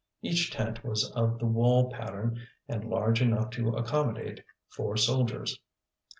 Each tent was of the wall pattern and large enough to accommodate four soldiers.